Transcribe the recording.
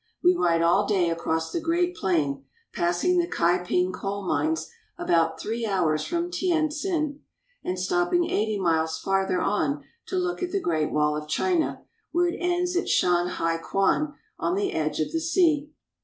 We ride all day across the Great Plain, passing the Kaiping coal mines about three hours from Tientsin, and stopping eighty miles farther on to look at the Great Wall of China where it ends at Shanhaikwan on the edge of the sea.